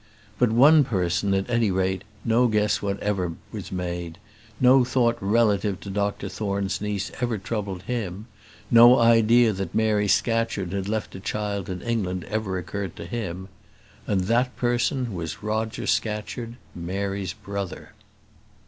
By one person, at any rate, no guess whatever was made; no thought relative to Dr Thorne's niece ever troubled him; no idea that Mary Scatcherd had left a child in England ever occurred to him; and that person was Roger Scatcherd, Mary's brother.